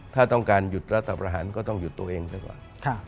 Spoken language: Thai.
ถ้าต้องการหยุดรัฐประหารก็ต้องหยุดตัวเองไปก่อน